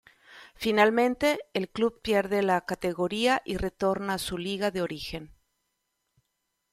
Finalmente, el club pierde la categoría y retorna a su liga de origen.